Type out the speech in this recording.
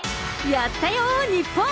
やったよ、日本！